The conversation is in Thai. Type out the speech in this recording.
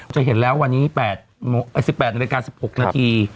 จะเห็นแล้ววันนี้๑๘นาฬิกา๑๖นาที